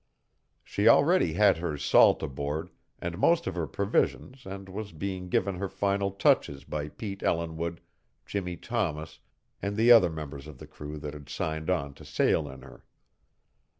She already had her salt aboard and most of her provisions and was being given her final touches by Pete Ellinwood, Jimmie Thomas, and the other members of the crew that had signed on to sail in her.